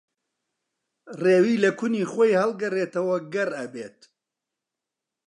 ڕێوی لە کونی خۆی ھەڵگەڕێتەوە گەڕ ئەبێت